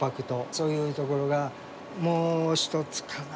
そういうところがもうひとつかな。